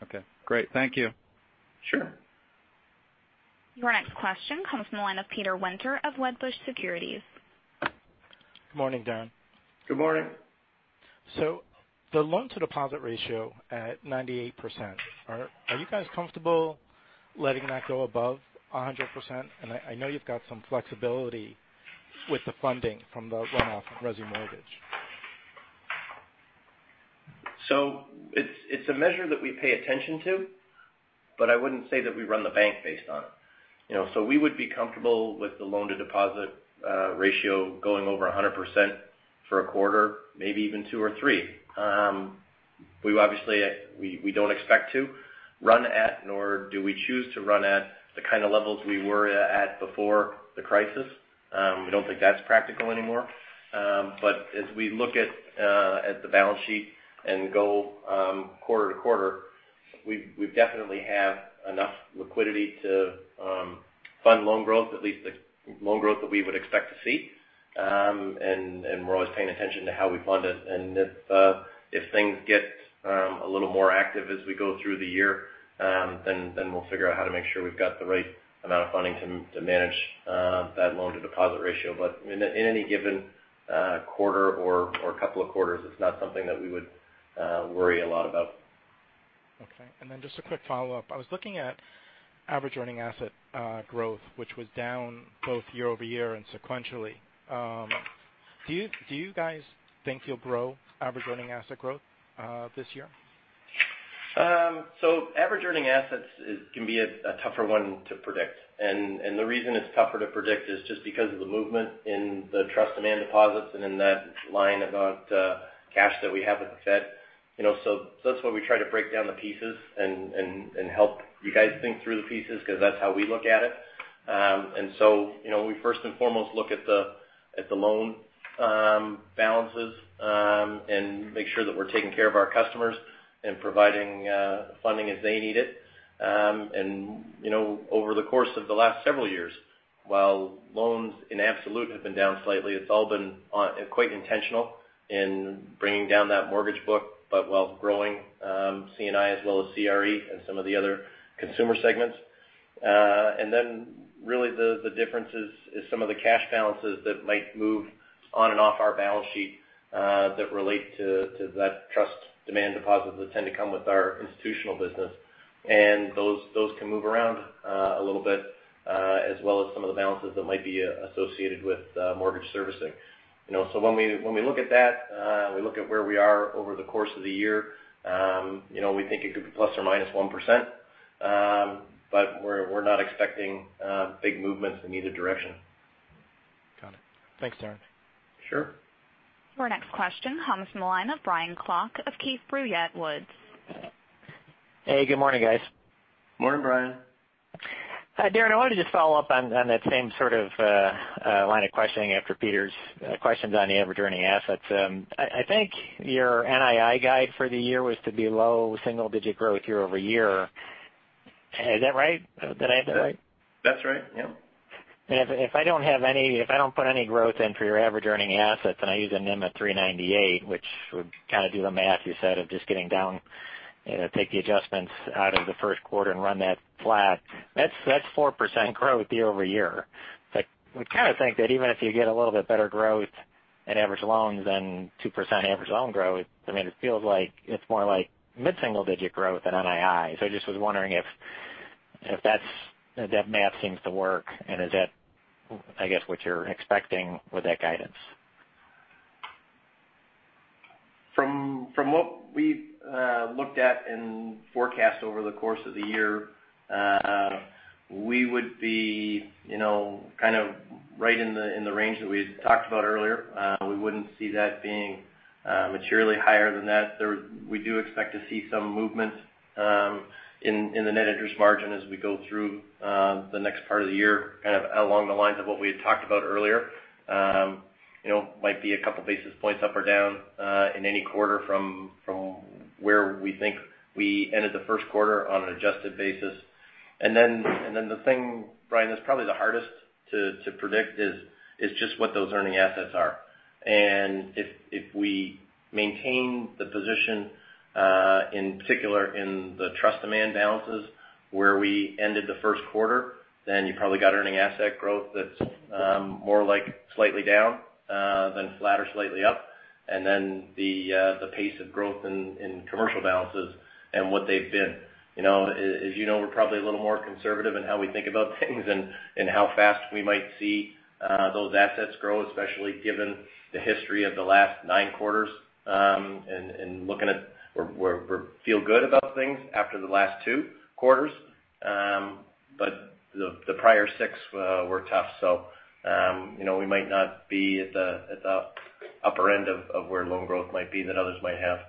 Okay, great. Thank you. Sure. Your next question comes from the line of Peter Winter of Wedbush Securities. Good morning, Darren. Good morning. The loan to deposit ratio at 98%, are you guys comfortable letting that go above 100%? I know you've got some flexibility with the funding from the runoff from Resi Mortgage. It's a measure that we pay attention to, but I wouldn't say that we run the bank based on it. We would be comfortable with the loan to deposit ratio going over 100% for a quarter, maybe even two or three. We obviously don't expect to run at, nor do we choose to run at the kind of levels we were at before the crisis. We don't think that's practical anymore. As we look at the balance sheet and go quarter to quarter, we definitely have enough liquidity to fund loan growth, at least the loan growth that we would expect to see. We're always paying attention to how we fund it. If things get a little more active as we go through the year, then we'll figure out how to make sure we've got the right amount of funding to manage that loan to deposit ratio. In any given quarter or a couple of quarters, it's not something that we would worry a lot about. Okay. Just a quick follow-up. I was looking at average earning asset growth, which was down both year-over-year and sequentially. Do you guys think you'll grow average earning asset growth this year? Average earning assets can be a tougher one to predict. The reason it's tougher to predict is just because of the movement in the trust demand deposits and in that line about cash that we have with the Fed. That's why we try to break down the pieces and help you guys think through the pieces, because that's how we look at it. We first and foremost look at the loan balances and make sure that we're taking care of our customers and providing funding as they need it. Over the course of the last several years, while loans in absolute have been down slightly, it's all been quite intentional in bringing down that mortgage book. While growing C&I as well as CRE and some of the other consumer segments. Really the difference is some of the cash balances that might move on and off our balance sheet that relate to that trust demand deposits that tend to come with our institutional business. Those can move around a little bit, as well as some of the balances that might be associated with mortgage servicing. When we look at that, we look at where we are over the course of the year. We think it could be ±1%, but we're not expecting big movements in either direction. Got it. Thanks, Darren. Sure. Your next question comes from the line of Brian Klock of Keefe, Bruyette & Woods. Hey, good morning, guys. Morning, Brian. Hi, Darren. I wanted to just follow up on that same sort of line of questioning after Peter's questions on the average earning assets. I think your NII guide for the year was to be low double-digit growth year-over-year. Is that right? Did I have that right? That's right. Yeah. If I don't put any growth in for your average earning assets and I use a NIM at 3.98%, which would kind of do the math you said of just getting down, take the adjustments out of the first quarter and run that flat. That's 4% growth year-over-year. I kind of think that even if you get a little bit better growth in average loans than 2% average loan growth, it feels like it's more like mid-single-digit growth than NII. I just was wondering if that math seems to work, and is that, I guess, what you're expecting with that guidance? From what we've looked at and forecast over the course of the year, we would be kind of right in the range that we had talked about earlier. We wouldn't see that being materially higher than that. We do expect to see some movement in the net interest margin as we go through the next part of the year, kind of along the lines of what we had talked about earlier. Might be a couple basis points up or down in any quarter from where we think we ended the first quarter on an adjusted basis. Then the thing, Brian, that's probably the hardest to predict is just what those earning assets are. If we maintain the position, in particular in the trust demand balances where we ended the first quarter, then you probably got earning asset growth that's more like slightly down than flat or slightly up. The pace of growth in commercial balances and what they've been. As you know, we're probably a little more conservative in how we think about things and how fast we might see those assets grow, especially given the history of the last nine quarters. Looking at where we feel good about things after the last two quarters. The prior six were tough. We might not be at the upper end of where loan growth might be that others might have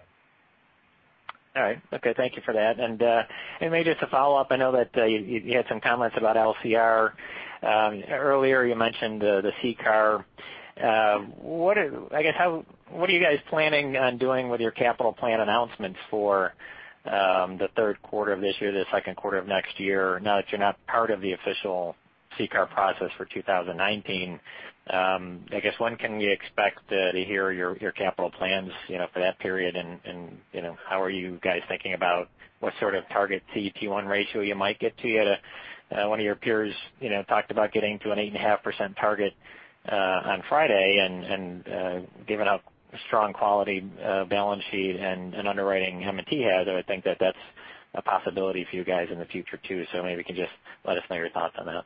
All right. Okay. Thank you for that. Maybe just a follow-up, I know that you had some comments about LCR. Earlier you mentioned the CCAR. What are you guys planning on doing with your capital plan announcements for the third quarter of this year, the second quarter of next year? Now that you're not part of the official CCAR process for 2019, when can we expect to hear your capital plans for that period, and how are you guys thinking about what sort of target CET1 ratio you might get to? One of your peers talked about getting to an 8.5% target on Friday. Given how strong quality balance sheet and underwriting M&T has, I would think that that's a possibility for you guys in the future too. Maybe you can just let us know your thoughts on that.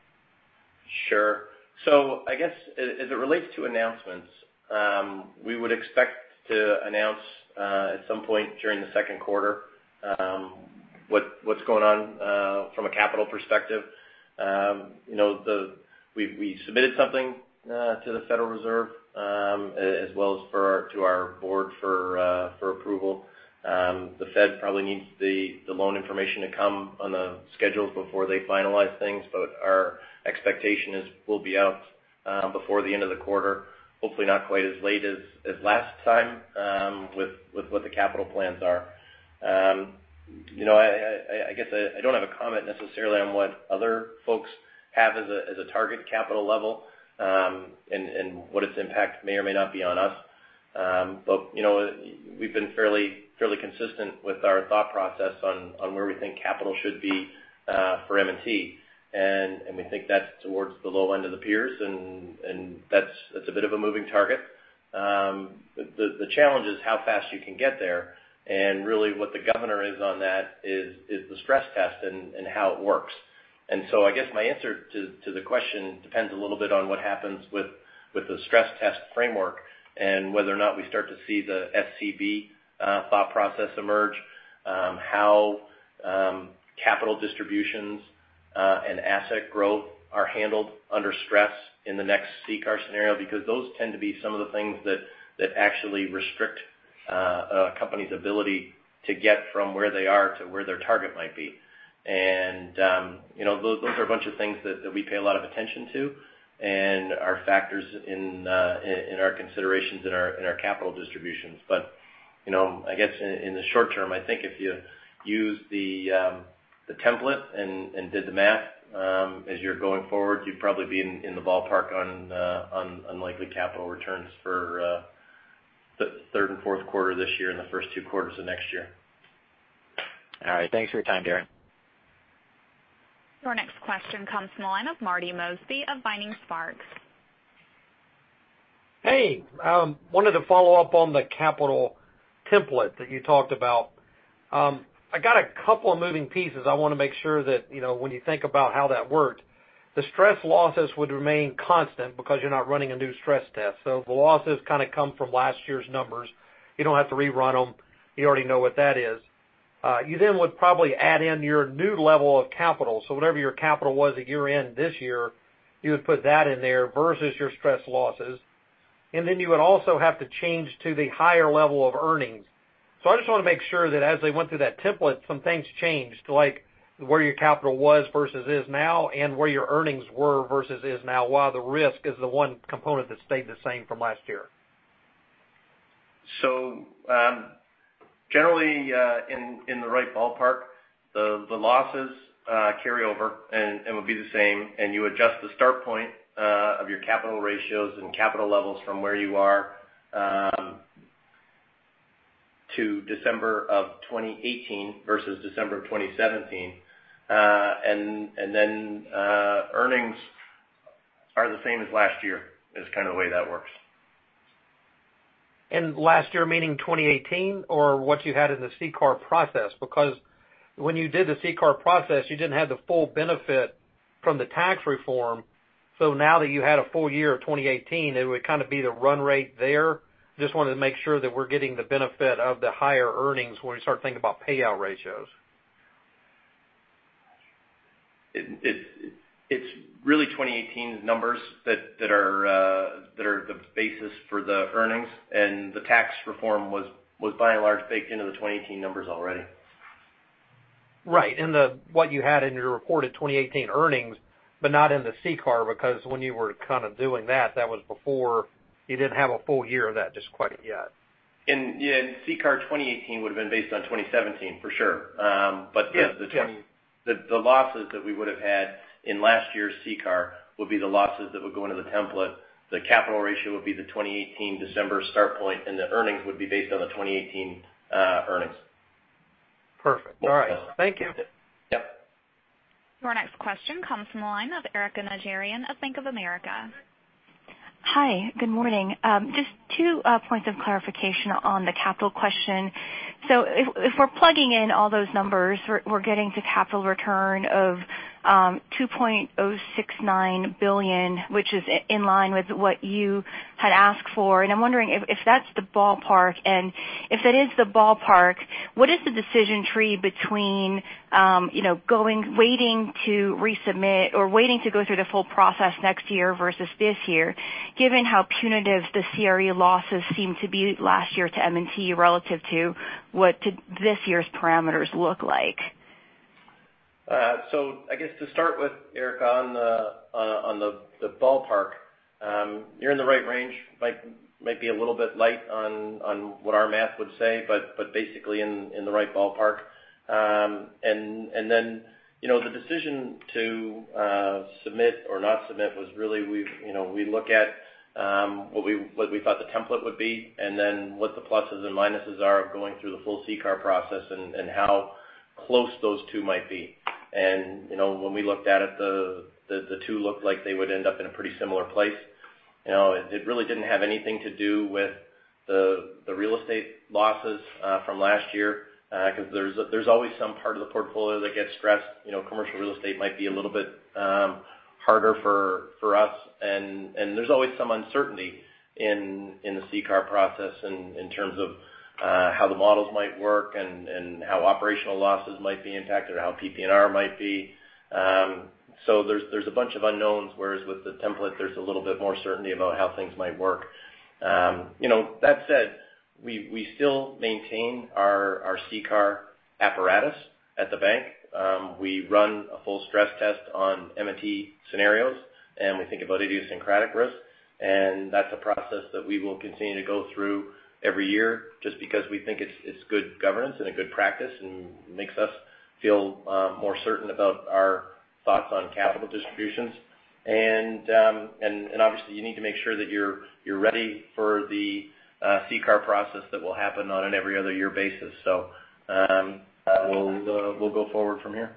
Sure. I guess as it relates to announcements, we would expect to announce at some point during the second quarter what's going on from a capital perspective. We submitted something to the Federal Reserve as well as to our board for approval. The Fed probably needs the loan information to come on the schedules before they finalize things. Our expectation is we'll be out before the end of the quarter, hopefully not quite as late as last time with what the capital plans are. I guess I don't have a comment necessarily on what other folks have as a target capital level and what its impact may or may not be on us. We've been fairly consistent with our thought process on where we think capital should be for M&T. We think that's towards the low end of the peers, and that's a bit of a moving target. The challenge is how fast you can get there. Really what the governor is on that is the stress test and how it works. I guess my answer to the question depends a little bit on what happens with the stress test framework and whether or not we start to see the SCB thought process emerge, how capital distributions and asset growth are handled under stress in the next CCAR scenario, because those tend to be some of the things that actually restrict a company's ability to get from where they are to where their target might be. Those are a bunch of things that we pay a lot of attention to and are factors in our considerations in our capital distributions. I guess in the short term, I think if you use the template and did the math as you're going forward, you'd probably be in the ballpark on likely capital returns for the third and fourth quarter this year and the first two quarters of next year. All right. Thanks for your time, Darren. Your next question comes from the line of Marty Mosby of Vining Sparks. Hey. Wanted to follow up on the capital template that you talked about. I got a couple of moving pieces I want to make sure that when you think about how that worked, the stress losses would remain constant because you're not running a new stress test. The losses kind of come from last year's numbers. You don't have to rerun them. You already know what that is. You would probably add in your new level of capital. Whatever your capital was at year-end this year, you would put that in there versus your stress losses, and then you would also have to change to the higher level of earnings. I just want to make sure that as they went through that template, some things changed, like where your capital was versus is now and where your earnings were versus is now, while the risk is the one component that stayed the same from last year. Generally in the right ballpark. The losses carry over and would be the same, and you adjust the start point of your capital ratios and capital levels from where you are to December of 2018 versus December of 2017. Then earnings are the same as last year, is kind of the way that works. Last year, meaning 2018 or what you had in the CCAR process? Because when you did the CCAR process, you didn't have the full benefit from the tax reform. Now that you had a full year of 2018, it would kind of be the run rate there. Just wanted to make sure that we're getting the benefit of the higher earnings when we start thinking about payout ratios. It's really 2018 numbers that are the basis for the earnings. The tax reform was by and large baked into the 2018 numbers already. Right. In what you had in your reported 2018 earnings, but not in the CCAR because when you were kind of doing that was before you didn't have a full year of that just quite yet. Yeah. CCAR 2018 would've been based on 2017 for sure. Yeah. The losses that we would have had in last year's CCAR would be the losses that would go into the template. The capital ratio would be the 2018 December start point. The earnings would be based on the 2018 earnings. Perfect. All right. Thank you. Yep. Your next question comes from the line of Erika Najarian of Bank of America. Hi. Good morning. Just two points of clarification on the capital question. If we're plugging in all those numbers, we're getting to capital return of $2.069 billion, which is in line with what you had asked for. I'm wondering if that's the ballpark. If it is the ballpark, what is the decision tree between waiting to go through the full process next year versus this year, given how punitive the CRE losses seemed to be last year to M&T relative to what this year's parameters look like? I guess to start with, Erika, on the ballpark, you're in the right range. Might be a little bit light on what our math would say, but basically in the right ballpark. The decision to submit or not submit was really, we look at what we thought the template would be, and then what the pluses and minuses are of going through the full CCAR process and how close those two might be. When we looked at it, the two looked like they would end up in a pretty similar place. It really didn't have anything to do with the real estate losses from last year because there's always some part of the portfolio that gets stressed. Commercial real estate might be a little bit harder for us, and there's always some uncertainty in the CCAR process in terms of how the models might work and how operational losses might be impacted, or how PPNR might be. There's a bunch of unknowns, whereas with the template, there's a little bit more certainty about how things might work. That said, we still maintain our CCAR apparatus at the bank. We run a full stress test on M&T scenarios, and we think about idiosyncratic risk. That's a process that we will continue to go through every year just because we think it's good governance and a good practice, and makes us feel more certain about our thoughts on capital distributions. Obviously, you need to make sure that you're ready for the CCAR process that will happen on an every other year basis. We'll go forward from here.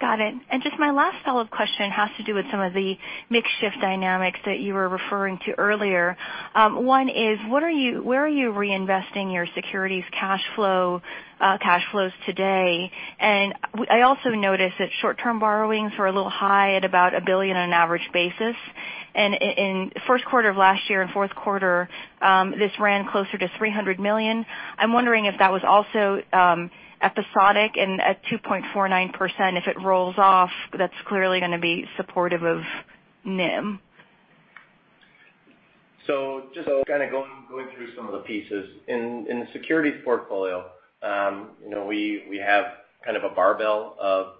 Got it. Just my last follow-up question has to do with some of the mix shift dynamics that you were referring to earlier. One is, where are you reinvesting your securities cash flows today? I also noticed that short-term borrowings were a little high at about $1 billion on an average basis. In first quarter of last year and fourth quarter, this ran closer to $300 million. I'm wondering if that was also episodic and at 2.49%, if it rolls off, that's clearly going to be supportive of NIM. Just kind of going through some of the pieces. In the securities portfolio, we have kind of a barbell of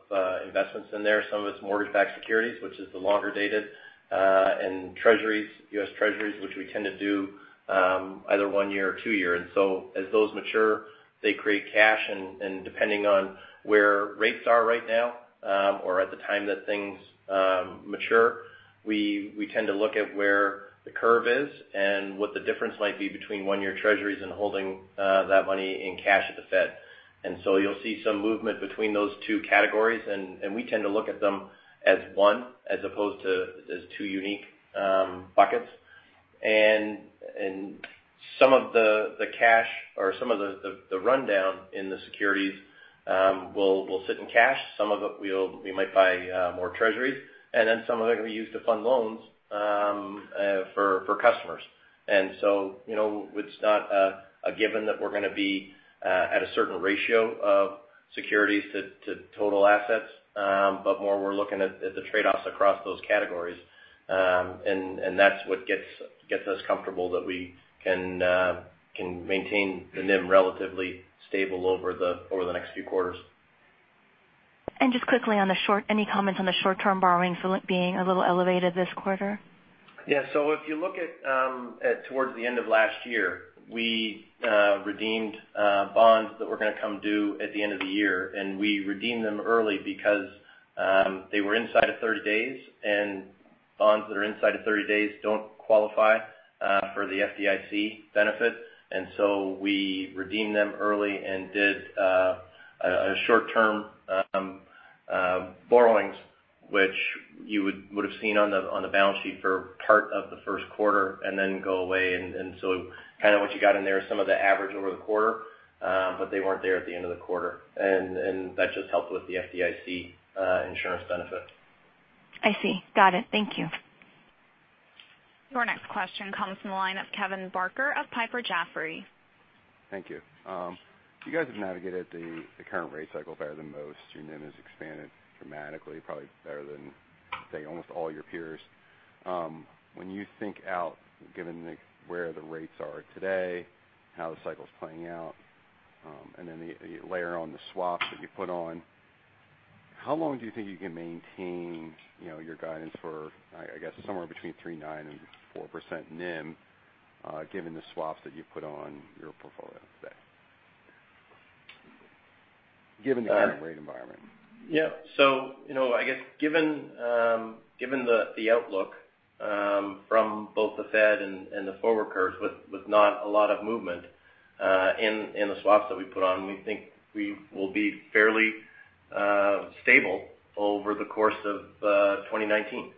investments in there. Some of it's mortgage-backed securities, which is the longer dated, and treasuries, U.S. treasuries, which we tend to do either one year or two year. As those mature, they create cash, and depending on where rates are right now or at the time that things mature, we tend to look at where the curve is and what the difference might be between one-year treasuries and holding that money in cash at the Fed. You'll see some movement between those two categories, and we tend to look at them as one as opposed to as two unique buckets. Some of the cash or some of the rundown in the securities will sit in cash. Some of it we might buy more treasuries, then some of it can be used to fund loans for customers. It's not a given that we're going to be at a certain ratio of securities to total assets. More we're looking at the trade-offs across those categories. That's what gets us comfortable that we can maintain the NIM relatively stable over the next few quarters. Just quickly on the short, any comments on the short-term borrowings being a little elevated this quarter? Yeah. If you look at towards the end of last year, we redeemed bonds that were going to come due at the end of the year, and we redeemed them early because they were inside of 30 days. Bonds that are inside of 30 days don't qualify for the FDIC benefit. We redeemed them early and did a short-term borrowings, which you would've seen on the balance sheet for part of the first quarter and then go away. Kind of what you got in there is some of the average over the quarter, but they weren't there at the end of the quarter. That just helped with the FDIC insurance benefit. I see. Got it. Thank you. Your next question comes from the line of Kevin Barker of Piper Jaffray. Thank you. You guys have navigated the current rate cycle better than most. Your NIM has expanded dramatically, probably better than, say, almost all your peers. When you think out, given where the rates are today, how the cycle's playing out, then the layer on the swaps that you put on, how long do you think you can maintain your guidance for, I guess, somewhere between 3.9% and 4% NIM, given the swaps that you put on your portfolio today? Given the current rate environment. Yeah. I guess given the outlook from both the Fed and the forward curves with not a lot of movement in the swaps that we put on, we think we will be fairly stable over the course of 2019.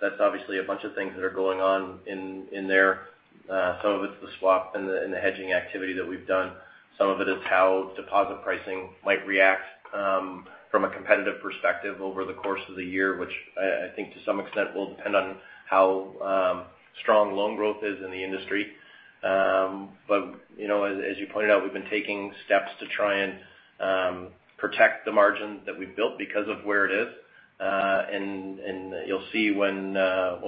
That's obviously a bunch of things that are going on in there. Some of it's the swap and the hedging activity that we've done. Some of it is how deposit pricing might react from a competitive perspective over the course of the year, which I think to some extent will depend on how strong loan growth is in the industry. As you pointed out, we've been taking steps to try and protect the margin that we've built because of where it is. You'll see when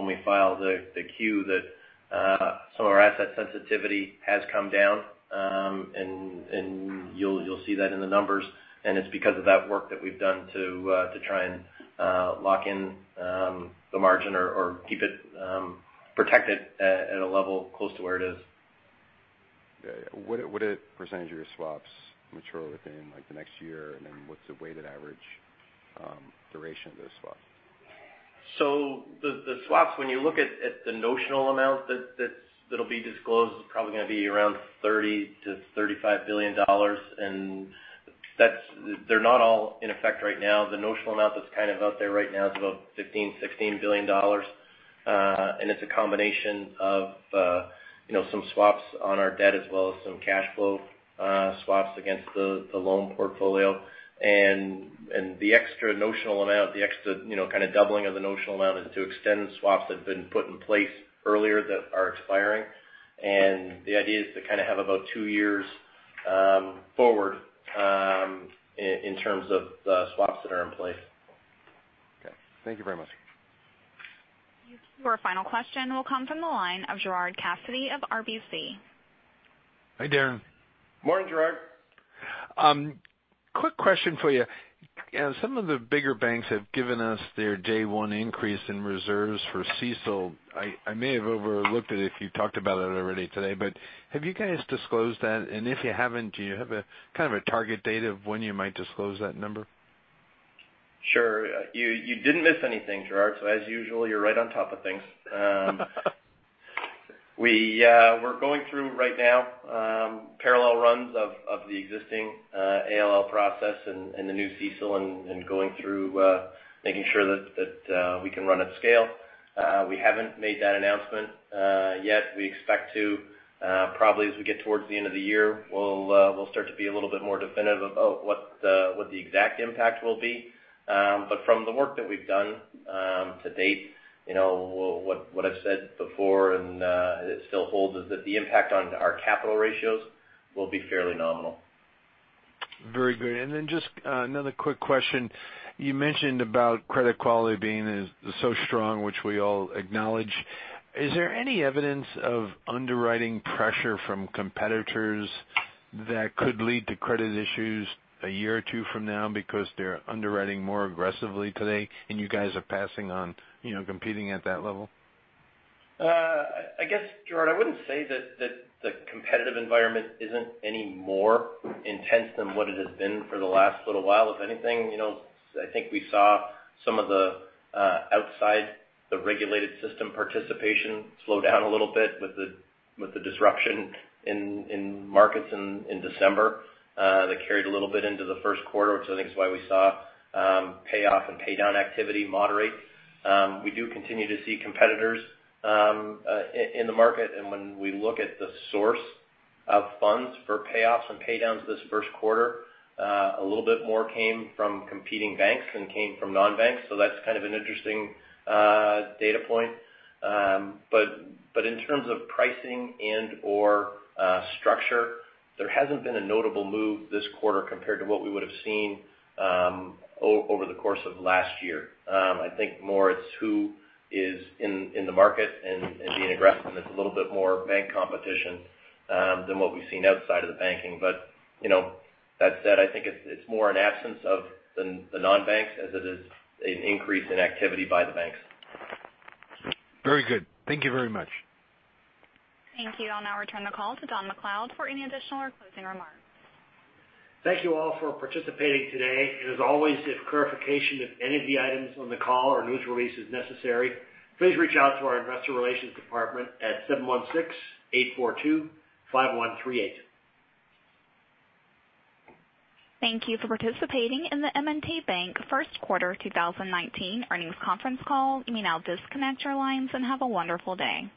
we file the Q that some of our asset sensitivity has come down, and you'll see that in the numbers, and it's because of that work that we've done to try to lock in the margin or keep it protected at a level close to where it is. Okay. What percentage of your swaps mature within the next year? What's the weighted average duration of those swaps? The swaps, when you look at the notional amount that'll be disclosed, it's probably going to be around $30 billion-$35 billion. They're not all in effect right now. The notional amount that's kind of out there right now is about $15 billion-$16 billion. It's a combination of some swaps on our debt, as well as some cash flow swaps against the loan portfolio. The extra notional amount, the extra kind of doubling of the notional amount is to extend swaps that have been put in place earlier that are expiring. The idea is to kind of have about two years forward in terms of the swaps that are in place. Okay. Thank you very much. Your final question will come from the line of Gerard Cassidy of RBC. Hi, Darren. Morning, Gerard. Quick question for you. Some of the bigger banks have given us their day one increase in reserves for CECL. I may have overlooked it if you talked about it already today, but if you haven't, do you have a kind of a target date of when you might disclose that number? Sure. You didn't miss anything, Gerard. As usual, you're right on top of things. We're going through right now parallel runs of the existing ALL process and the new CECL and going through making sure that we can run at scale. We haven't made that announcement yet. We expect to probably as we get towards the end of the year. We'll start to be a little bit more definitive about what the exact impact will be. From the work that we've done to date, what I've said before, and it still holds, is that the impact on our capital ratios will be fairly nominal. Very good. Then just another quick question. You mentioned about credit quality being so strong, which we all acknowledge. Is there any evidence of underwriting pressure from competitors that could lead to credit issues a year or two from now because they're underwriting more aggressively today and you guys are passing on competing at that level? I guess, Gerard, I wouldn't say that the competitive environment isn't any more intense than what it has been for the last little while. If anything, I think we saw some of the outside the regulated system participation slow down a little bit with the disruption in markets in December. That carried a little bit into the first quarter, which I think is why we saw payoff and paydown activity moderate. We do continue to see competitors in the market. When we look at the source of funds for payoffs and paydowns this first quarter, a little bit more came from competing banks than came from non-banks. That's kind of an interesting data point. In terms of pricing and/or structure, there hasn't been a notable move this quarter compared to what we would've seen over the course of last year. I think more it's who is in the market and being aggressive, it's a little bit more bank competition than what we've seen outside of the banking. That said, I think it's more an absence of the non-banks as it is an increase in activity by the banks. Very good. Thank you very much. Thank you. I'll now return the call to Don MacLeod for any additional or closing remarks. Thank you all for participating today. As always, if clarification of any of the items on the call or news release is necessary, please reach out to our investor relations department at 716-842-5138. Thank you for participating in the M&T Bank first quarter 2019 earnings conference call. You may now disconnect your lines, have a wonderful day.